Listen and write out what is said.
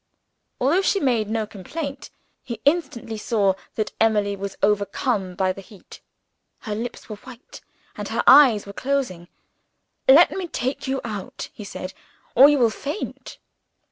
Although she made no complaint, he instantly saw that Emily was overcome by the heat. Her lips were white, and her eyes were closing. "Let me take you out," he said, "or you will faint."